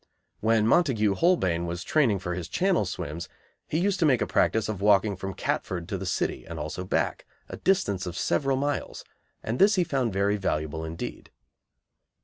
When Montague Holbein was training for his Channel swims he used to make a practice of walking from Catford to the City, and also back, a distance of several miles, and this he found very valuable indeed.